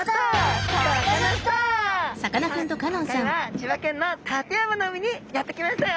さあ今回は千葉県の館山の海にやって来ましたよ！